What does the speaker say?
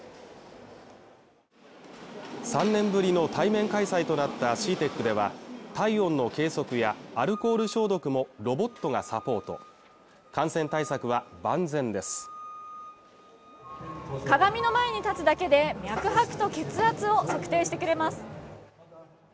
３年ぶりの対面開催となったＣＥＡＴＥＣでは体温の計測やアルコール消毒もロボットがサポート感染対策は万全です鏡の前に立つだけで脈拍と血圧を測定してくれます